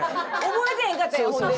覚えてへんかったんやほんで！